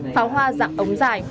pháo hoa dạng ống dài